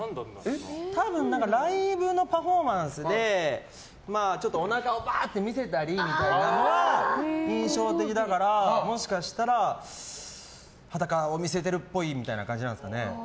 多分、ライブのパフォーマンスでちょっとおなかをバーって見せたりみたいなのが印象的だから、もしかしたら裸を見せてるっぽいみたいな感じなんですかね。